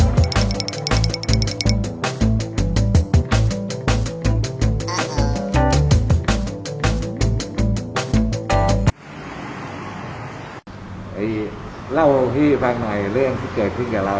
ก็เป็นหรือเล่าพี่ฟังไหนเรื่องที่เกิดขึ้นจากเรา